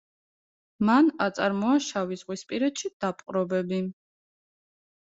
მან აწარმოა შავიზღვისპირეთში დაპყრობები.